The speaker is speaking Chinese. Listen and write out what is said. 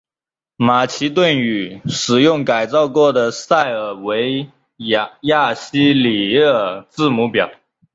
马其顿语使用改造过的塞尔维亚西里尔字母表。